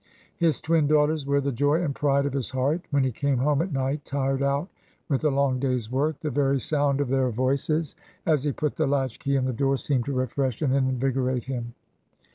His twin daughters were the joy and pride of his heart. When he came home at night, tired out with a long day's work, the very sound of their voices as he put the latch key in the door seemed to refresh and invigorate him.